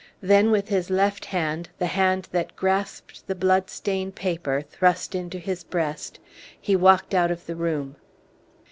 Then, with his left hand, the hand that grasped the blood stained paper, thrust into his breast, he walked out of the room.